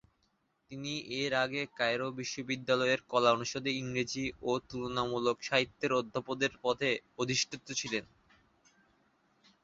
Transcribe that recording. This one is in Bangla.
তিনি এর আগে কায়রো বিশ্ববিদ্যালয়ের কলা অনুষদে ইংরেজি ও তুলনামূলক সাহিত্যের অধ্যাপকের পদে অধিষ্ঠিত ছিলেন।